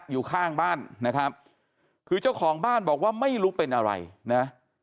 อยู่ข้างบ้านนะครับคือเจ้าของบ้านบอกว่าไม่รู้เป็นอะไรนะ